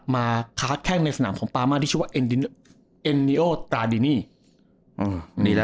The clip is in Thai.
มาขาดแข้งในสถานของปามาที่ชื่อว่าเอ็นเนโนตาดินี่